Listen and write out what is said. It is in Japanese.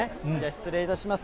失礼いたします。